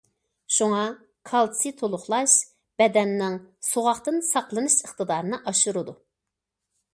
شۇڭا كالتسىي تولۇقلاش بەدەننىڭ سوغۇقتىن ساقلىنىش ئىقتىدارىنى ئاشۇرىدۇ.